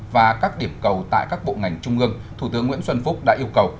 và các điểm cầu tại các bộ ngành trung ương thủ tướng nguyễn xuân phúc đã yêu cầu